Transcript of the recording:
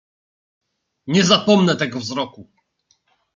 "Nie zapomnę tego wzroku!"